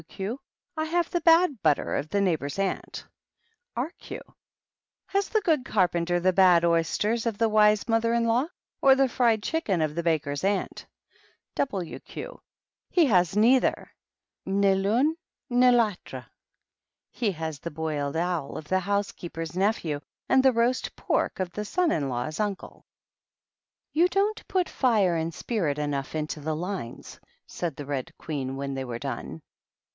W. Q. I have the bad butter of the neighbor's aunt. B. Q. Has the good carpenter the bad oysters of the wise mother in law, or the fried chicken of the baker's aunt? W. Q. He has neither (ni Vun ni V autre)] he has the boiled owl of the house keeper's nephew and the roast pork of the son in law's uncle." 152 THE RED QUEEN AND THE DUCHESS. " You don't put fire and spirit enough into the lines," said the Red Queen when they were done.